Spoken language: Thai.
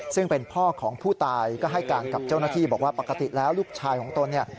ซึ่งเป็นพ่อของผู้ตายก็ให้การกับเจ้าหน้าที่บอกว่าปกติแล้วลูกชายของตนเนี่ย